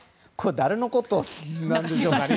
誰のことなんでしょうかね。